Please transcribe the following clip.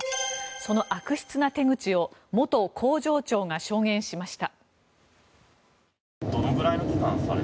その悪質な手口を元工場長が証言しました。